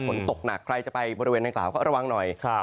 ฝนตกหนักใครจะไปบริเวณนางกล่าวก็ระวังหน่อย